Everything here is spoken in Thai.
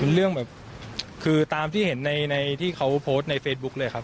เรื่องแบบคือตามที่เห็นในที่เขาโพสต์ในเฟซบุ๊คเลยครับ